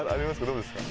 どうですか？